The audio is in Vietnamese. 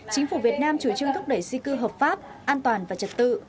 chính phủ việt nam chủ trương thúc đẩy di cư hợp pháp an toàn và trật tự